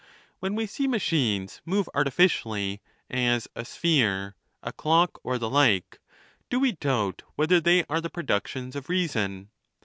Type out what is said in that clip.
When we see machines move artificially, as a sphere, a clock, or the like, do we doubt whether they are the productions of reason